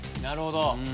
なるほど。